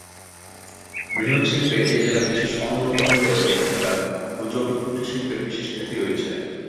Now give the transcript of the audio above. বৃহৎ শিল্পে এই জেলা বিশেষ অনুন্নত হলেও এখানকার ক্ষুদ্র ও কুটির শিল্পের বিশেষ খ্যাতি রয়েছে।